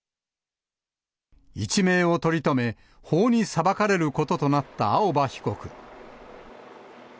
一命を取り留め、法に裁かれることとなった青葉被告。